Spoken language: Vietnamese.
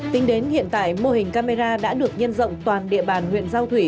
tính đến hiện tại mô hình camera đã được nhân rộng toàn địa bàn huyện giao thủy